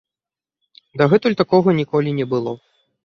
Дагэтуль такога ніколі не было.